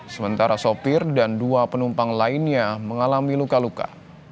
sementara sopir dan dua penumpang lainnya mengalami luka luka